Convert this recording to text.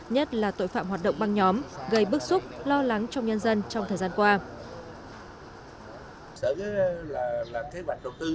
nhất là tội phạm hoạt động băng nhóm gây bức xúc lo lắng trong nhân dân trong thời gian qua